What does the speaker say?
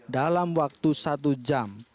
dalam waktu satu jam